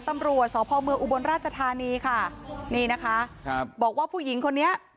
ตำรวจสพเมืองอุบลราชธานีค่ะนี่นะคะครับบอกว่าผู้หญิงคนนี้